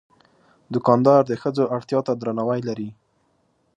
دوکاندار د ښځو اړتیا ته درناوی لري.